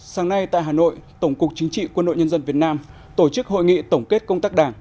sáng nay tại hà nội tổng cục chính trị quân đội nhân dân việt nam tổ chức hội nghị tổng kết công tác đảng